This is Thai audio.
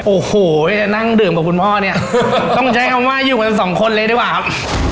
โอ้โหจะนั่งดื่มกับคุณพ่อเนี่ยต้องใช้คำว่าอยู่กันสองคนเลยดีกว่าครับ